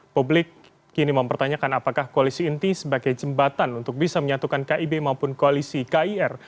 publik kini mempertanyakan apakah koalisi inti sebagai jembatan untuk bisa menyatukan kib maupun koalisi kir